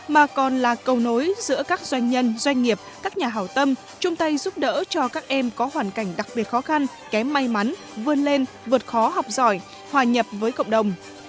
mà còn là câu nối giữa các doanh nhân doanh nghiệp các nhà hảo tâm chung tay giúp đỡ cho các em có hoàn cảnh đặc biệt khó khăn kém may mắn vươn lên vượt khó học giỏi hòa nhập với cộng đồng